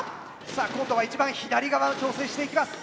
さあ今度は一番左側を挑戦していきます。